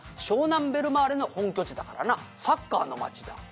湘南ベルマーレの本拠地だからなサッカーの町だ」